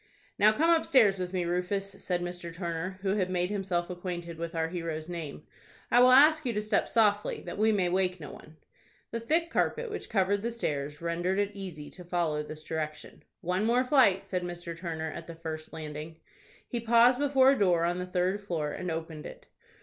"Now come upstairs with me, Rufus," said Mr. Turner, who had made himself acquainted with our hero's name. "I will ask you to step softly, that we may wake no one." The thick carpet which covered the stairs rendered it easy to follow this direction. "One more flight," said Mr. Turner, at the first landing. He paused before a door on the third floor, and opened it.